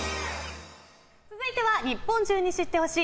続いては日本中に知って欲しい！